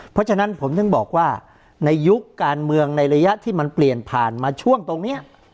เพราะฉะนั้นผมถึงบอกว่าในยุคการเมืองในระยะที่มันเปลี่ยนผ่านมาช่วงตรงนี้